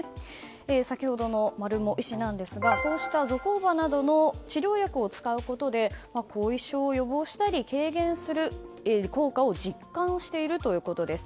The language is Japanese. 先ほどの丸毛医師なんですがゾコーバなどの治療薬を使うことで後遺症を予防したり軽減する効果を実感しているということです。